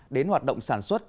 đến hoạt động sản xuất